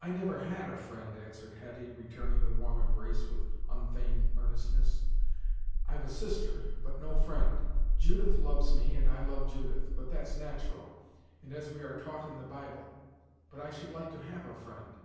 "I never had a friend," answered Hetty returning the warm embrace with unfeigned earnestness. "I've a sister, but no friend. Judith loves me, and I love Judith; but that's natural, and as we are taught in the Bible but I should like to have a friend!